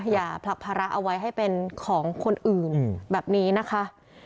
อย่าผลักภาระเอาไว้ให้เป็นของคนอื่นแบบนี้นะคะ